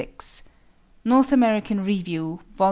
"North American Review," Vol.